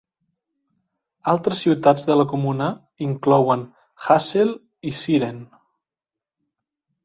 Altres ciutats de la comuna inclouen Hassel i Syren.